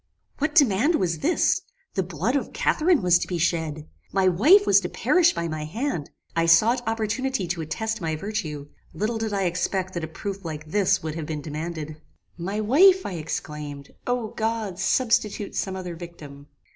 "What demand was this? The blood of Catharine was to be shed! My wife was to perish by my hand! I sought opportunity to attest my virtue. Little did I expect that a proof like this would have been demanded. "My wife! I exclaimed: O God! substitute some other victim.